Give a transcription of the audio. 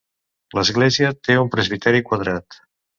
L'església té un presbiteri quadrat.